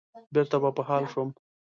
بېرته به په حال شوم.